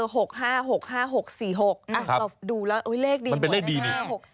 เราดูแล้วโอ๊ยเลขดีหมดนะ๕๖๔๖เลย